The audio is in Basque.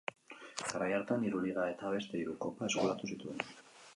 Garai hartan hiru liga eta beste hiru kopa eskuratu zituen.